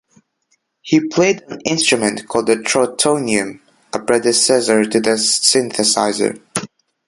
He played an instrument called the Trautonium, a predecessor to the synthesizer.